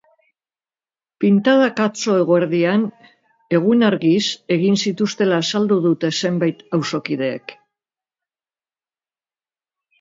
Pintadak atzo eguerdian, egun argiz, egin zituztela azaldu dute zenbait auzokideek.